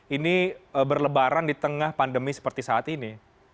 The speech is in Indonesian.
ini berlebaran di tengah pandemi seperti saat ini